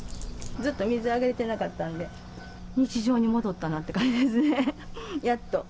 ずっと水あげれてなかったんで、日常に戻ったなっていう感じですね、やっと。